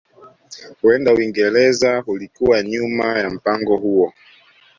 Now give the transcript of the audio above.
Huenda Uingereza ilikuwa nyuma ya mpango huo